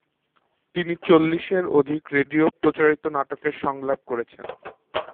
তিনি চল্লিশের অধিক রেডিও প্রচারিত নাটকে সংলাপ করেছেন।